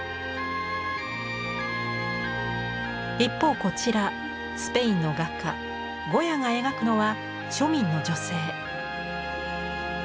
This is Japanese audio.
一方こちらスペインの画家ゴヤが描くのは庶民の女性。